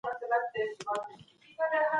ښوونځي کي زدهکوونکي له یو بل سره همکار کوي.